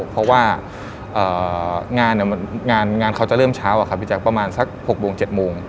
เพราะว่างานเขาจะเริ่มเช้าหวีลจากประมาณสัก๖๗โมง